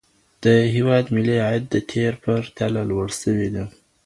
د هيواد ملي عايد د تېر په پرتله لوړ سوى دى.